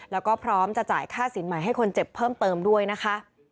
แล้วก็พร้อมจะจ่ายค่าสินใหม่ให้คนเจ็บเพิ่มเติมด้วยนะคะ